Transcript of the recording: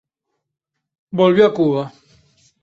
Volvió a Cuba.